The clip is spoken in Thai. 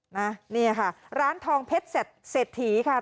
นะเนี่ยค่ะร้านทองเพชรเศรษฐีค่ะ